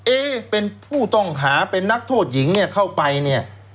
เอ๊เป็นผู้ต้องหาเป็นนักโทษหญิงเนี่ยเข้าไปเนี่ย